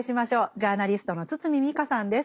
ジャーナリストの堤未果さんです。